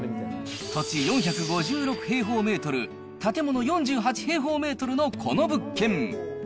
土地４５６平方メートル、建物４８平方メートルのこの物件。